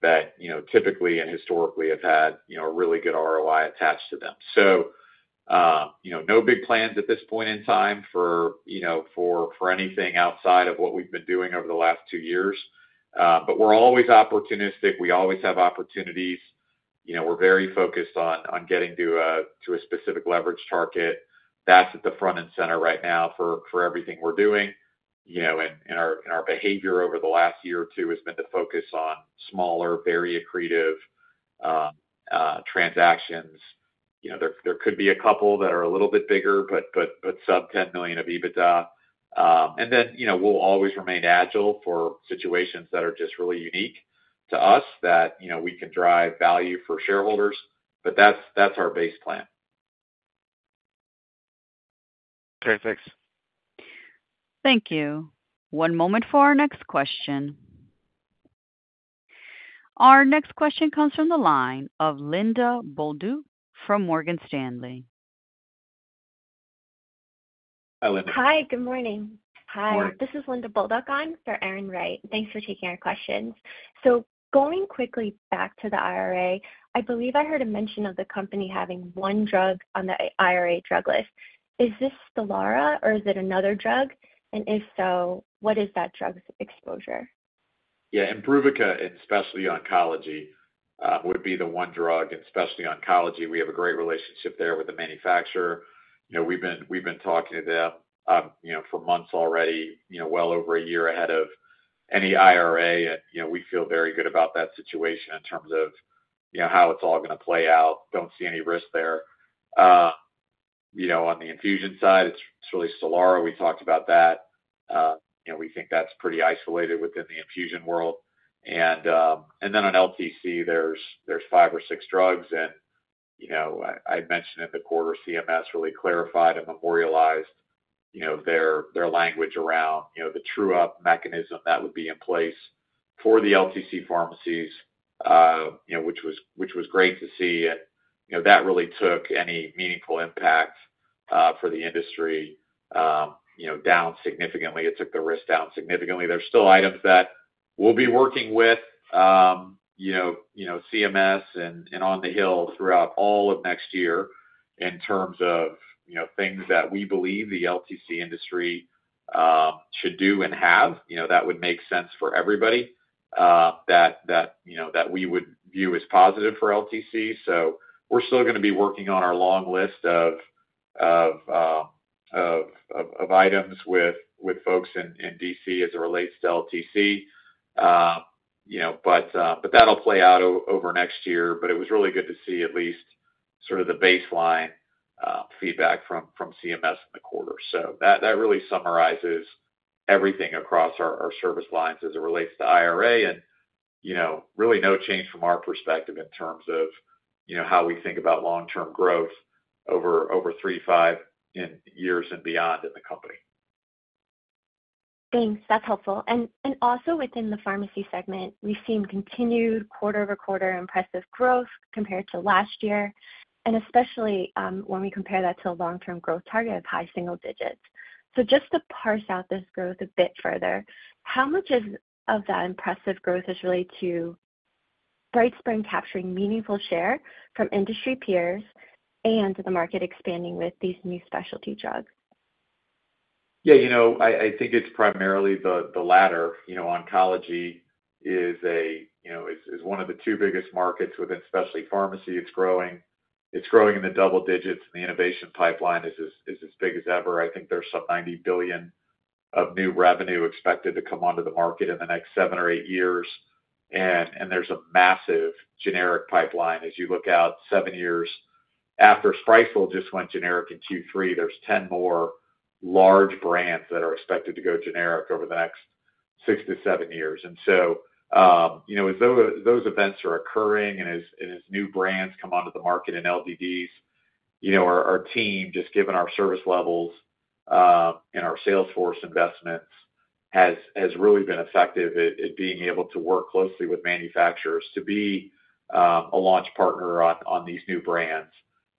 that typically and historically have had a really good ROI attached to them. So no big plans at this point in time for anything outside of what we've been doing over the last two years. But we're always opportunistic. We always have opportunities. We're very focused on getting to a specific leverage target. That's at the front and center right now for everything we're doing, and our behavior over the last year or two has been to focus on smaller, very accretive transactions. There could be a couple that are a little bit bigger, but sub 10 million of EBITDA, and then we'll always remain agile for situations that are just really unique to us that we can drive value for shareholders, but that's our base plan.
Okay. Thanks.
Thank you. One moment for our next question. Our next question comes from the line of Linda Bolduc from Morgan Stanley.
Hi, Linda. Hi. Good morning. Hi. This is Linda Bolduc on for Erin Wright. Thanks for taking our questions. So going quickly back to the IRA, I believe I heard a mention of the company having one drug on the IRA drug list. Is this Stelara, or is it another drug? And if so, what is that drug's exposure? Yeah. Imbruvica, and especially oncology, would be the one drug. And especially oncology, we have a great relationship there with the manufacturer. We've been talking to them for months already, well over a year ahead of any IRA. And we feel very good about that situation in terms of how it's all going to play out. Don't see any risk there. On the infusion side, it's really Stelara. We talked about that. We think that's pretty isolated within the infusion world. And then on LTC, there's five or six drugs. And I mentioned in the quarter, CMS really clarified and memorialized their language around the true-up mechanism that would be in place for the LTC pharmacies, which was great to see. And that really took any meaningful impact for the industry down significantly. It took the risk down significantly. There's still items that we'll be working with CMS and on the Hill throughout all of next year in terms of things that we believe the LTC industry should do and have that would make sense for everybody that we would view as positive for LTC. So we're still going to be working on our long list of items with folks in DC as it relates to LTC. But that'll play out over next year. But it was really good to see at least sort of the baseline feedback from CMS in the quarter. So that really summarizes everything across our service lines as it relates to IRA and really no change from our perspective in terms of how we think about long-term growth over three, five years and beyond in the company. Thanks. That's helpful and also within the pharmacy segment, we've seen continued quarter-over-quarter impressive growth compared to last year, and especially when we compare that to a long-term growth target of high single digits, so just to parse out this growth a bit further, how much of that impressive growth is related to BrightSpring capturing meaningful share from industry peers and the market expanding with these new specialty drugs? Yeah. I think it's primarily the latter. Oncology is one of the two biggest markets within specialty pharmacy. It's growing in the double digits. The innovation pipeline is as big as ever. I think there's some $90 billion of new revenue expected to come onto the market in the next seven or eight years. And there's a massive generic pipeline. As you look out seven years after Sprycel just went generic in Q3, there's 10 more large brands that are expected to go generic over the next six to seven years. And so as those events are occurring and as new brands come onto the market in LDDs, our team, just given our service levels and our sales force investments, has really been effective at being able to work closely with manufacturers to be a launch partner on these new brands.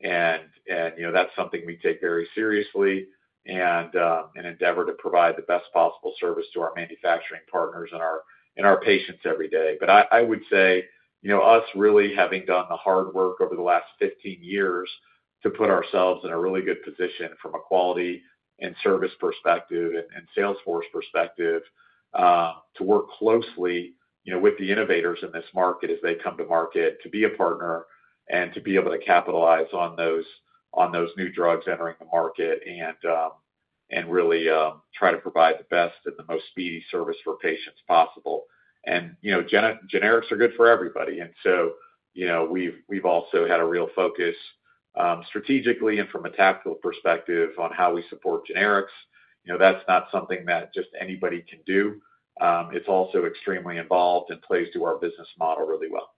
And that's something we take very seriously and endeavor to provide the best possible service to our manufacturing partners and our patients every day. But I would say us really having done the hard work over the last 15 years to put ourselves in a really good position from a quality and service perspective and sales force perspective to work closely with the innovators in this market as they come to market to be a partner and to be able to capitalize on those new drugs entering the market and really try to provide the best and the most speedy service for patients possible. And generics are good for everybody. And so we've also had a real focus strategically and from a tactical perspective on how we support generics. That's not something that just anybody can do. It's also extremely involved and plays to our business model really well.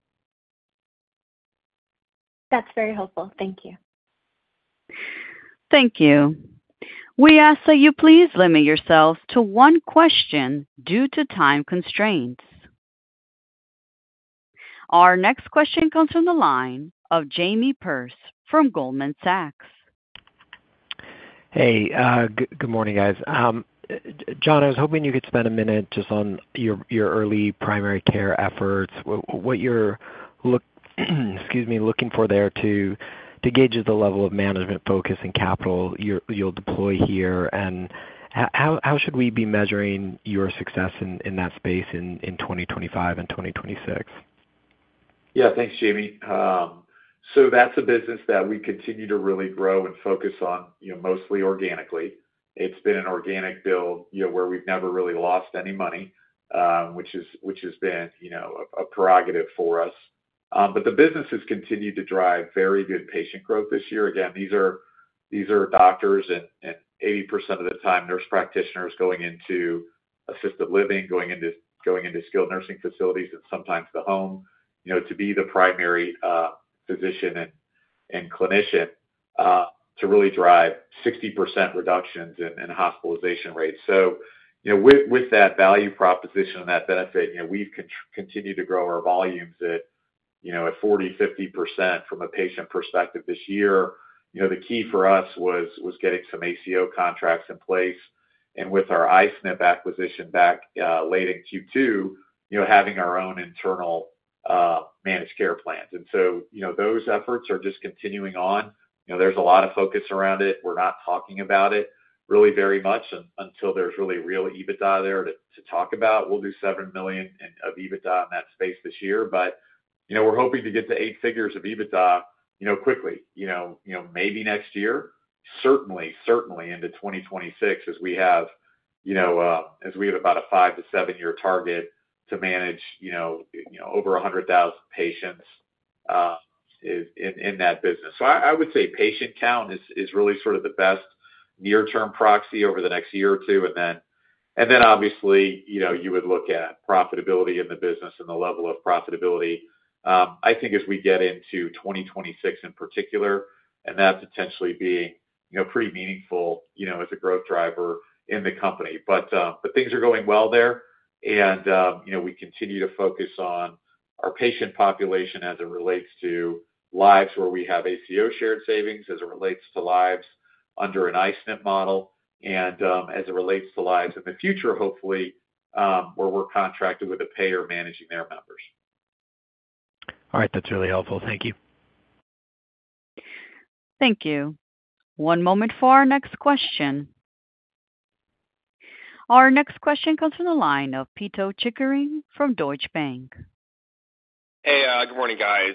That's very helpful. Thank you.
Thank you. We ask that you please limit yourselves to one question due to time constraints. Our next question comes from the line of Jamie Perse from Goldman Sachs.
Hey. Good morning, guys. Jon, I was hoping you could spend a minute just on your early primary care efforts, what you're looking for there to gauge the level of management focus and capital you'll deploy here, and how should we be measuring your success in that space in 2025 and 2026?
Yeah. Thanks, Jamie. So that's a business that we continue to really grow and focus on mostly organically. It's been an organic build where we've never really lost any money, which has been a prerogative for us. But the business has continued to drive very good patient growth this year. Again, these are doctors and 80% of the time nurse practitioners going into assisted living, going into skilled nursing facilities, and sometimes the home to be the primary physician and clinician to really drive 60% reductions in hospitalization rates. So with that value proposition and that benefit, we've continued to grow our volumes at 40%-50% from a patient perspective this year. The key for us was getting some ACO contracts in place. And with our I-SNP acquisition back late in Q2, having our own internal managed care plans. And so those efforts are just continuing on. There's a lot of focus around it. We're not talking about it really very much until there's really real EBITDA there to talk about. We'll do $7 million of EBITDA in that space this year, but we're hoping to get to eight figures of EBITDA quickly, maybe next year, certainly, certainly into 2026 as we have about a five to seven-year target to manage over 100,000 patients in that business, so I would say patient count is really sort of the best near-term proxy over the next year or two, and then obviously, you would look at profitability in the business and the level of profitability. I think as we get into 2026 in particular, and that potentially being pretty meaningful as a growth driver in the company, but things are going well there. We continue to focus on our patient population as it relates to lives where we have ACO shared savings as it relates to lives under an I-SNP model and as it relates to lives in the future, hopefully, where we're contracted with a payer managing their members.
All right. That's really helpful. Thank you.
Thank you. One moment for our next question. Our next question comes from the line of Pito Chickering from Deutsche Bank.
Hey. Good morning, guys.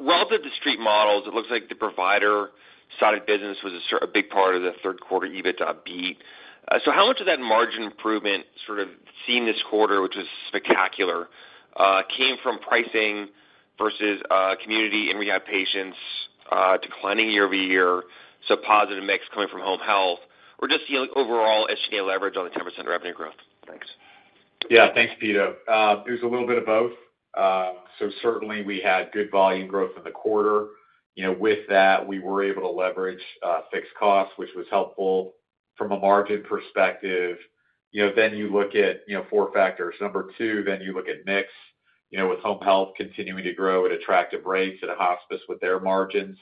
Well, the discrete models, it looks like the provider-side business was a big part of the third-quarter EBITDA beat. So how much of that margin improvement sort of seen this quarter, which was spectacular, came from pricing versus community and rehab patients declining year-over-year, so positive mix coming from home health, or just overall SGA leverage on the 10% revenue growth? Thanks.
Yeah. Thanks, Pito. It was a little bit of both. So certainly, we had good volume growth in the quarter. With that, we were able to leverage fixed costs, which was helpful from a margin perspective. Then you look at four factors. Number two, then you look at mix with home health continuing to grow at attractive rates and a hospice with their margins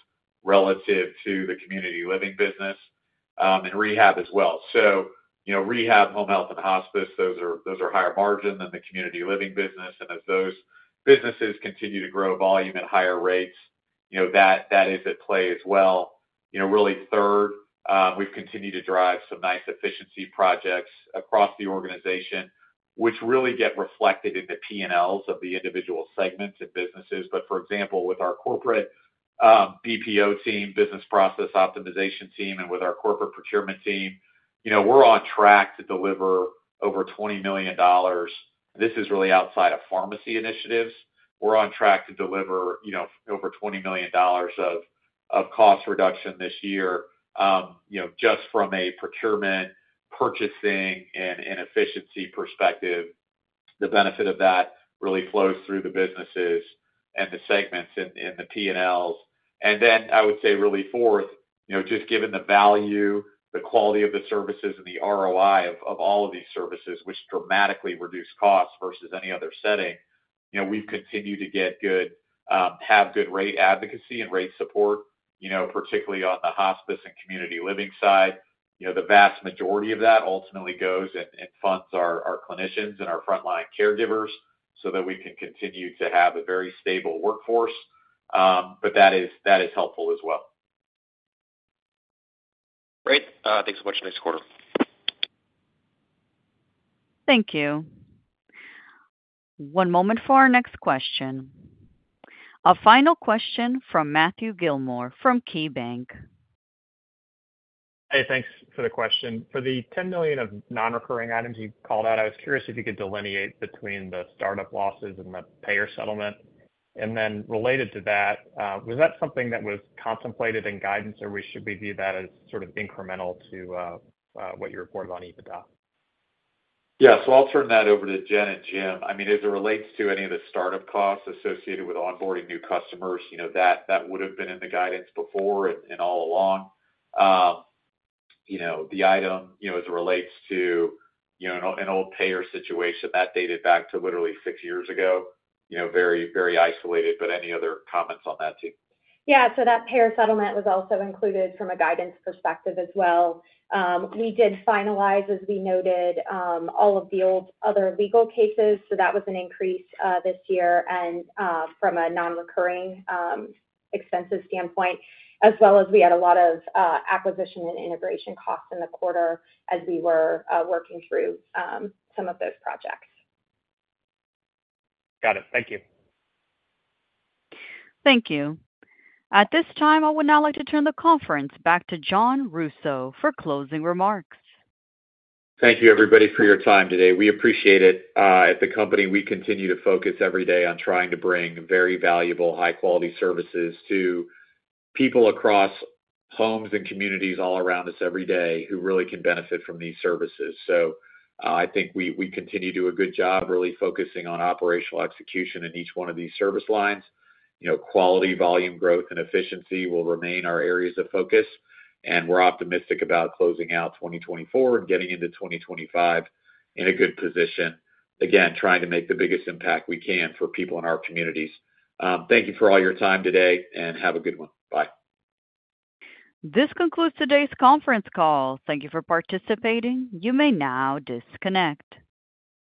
relative to the community living business and rehab as well. So rehab, home health, and hospice, those are higher margin than the community living business. And as those businesses continue to grow volume at higher rates, that is at play as well. Really, third, we've continued to drive some nice efficiency projects across the organization, which really get reflected in the P&Ls of the individual segments and businesses. But for example, with our corporate BPO team, business process optimization team, and with our corporate procurement team, we're on track to deliver over $20 million. This is really outside of pharmacy initiatives. We're on track to deliver over $20 million of cost reduction this year just from a procurement, purchasing, and efficiency perspective. The benefit of that really flows through the businesses and the segments and the P&Ls, and then I would say really fourth, just given the value, the quality of the services, and the ROI of all of these services, which dramatically reduce costs versus any other setting, we've continued to have good rate advocacy and rate support, particularly on the hospice and community living side. The vast majority of that ultimately goes and funds our clinicians and our frontline caregivers so that we can continue to have a very stable workforce. But that is helpful as well.
Great. Thanks so much. Nice quarter.
Thank you. One moment for our next question. A final question from Matthew Gillmor from KeyBanc Capital Markets.
Hey. Thanks for the question. For the $10 million of non-recurring items you called out, I was curious if you could delineate between the startup losses and the payer settlement. And then related to that, was that something that was contemplated in guidance, or should we view that as sort of incremental to what you reported on EBITDA?
Yeah. So I'll turn that over to Jen and Jim. I mean, as it relates to any of the start-up costs associated with onboarding new customers, that would have been in the guidance before and all along. The item, as it relates to an old payer situation that dated back to literally six years ago, very isolated. But any other comments on that, too?
Yeah. So that payer settlement was also included from a guidance perspective as well. We did finalize, as we noted, all of the old other legal cases. So that was an increase this year from a non-recurring expenses standpoint, as well as we had a lot of acquisition and integration costs in the quarter as we were working through some of those projects.
Got it. Thank you.
Thank you. At this time, I would now like to turn the conference back to Jon Rousseau for closing remarks.
Thank you, everybody, for your time today. We appreciate it. At the company, we continue to focus every day on trying to bring very valuable, high-quality services to people across homes and communities all around us every day who really can benefit from these services. So I think we continue to do a good job really focusing on operational execution in each one of these service lines. Quality, volume, growth, and efficiency will remain our areas of focus. And we're optimistic about closing out 2024 and getting into 2025 in a good position, again, trying to make the biggest impact we can for people in our communities. Thank you for all your time today, and have a good one. Bye.
This concludes today's conference call. Thank you for participating. You may now disconnect.